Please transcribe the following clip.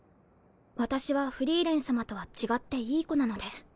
私はフリーレン様とは違っていい子なので。